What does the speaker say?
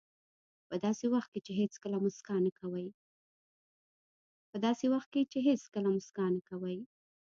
په داسې وخت کې چې هېڅکله موسکا نه کوئ.